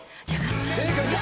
正解です。